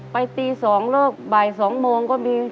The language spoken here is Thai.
ไปตี๒เลิกบ่าย๒โมงก็มี